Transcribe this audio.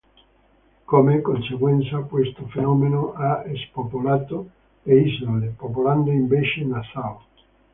Come conseguenza questo fenomeno ha spopolato le isole, popolando invece Nassau.